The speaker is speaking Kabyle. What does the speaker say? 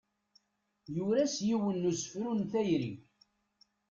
Yura-as yiwen n usefru n tayri.